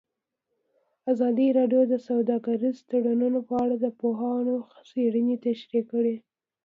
ازادي راډیو د سوداګریز تړونونه په اړه د پوهانو څېړنې تشریح کړې.